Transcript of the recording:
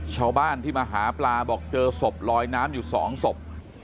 ชาวบ้านที่มาหาปลาบอกเจอศพลอยน้ำอยู่สองศพ